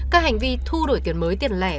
các hành vi thu đổi tiền mới tiền lẻ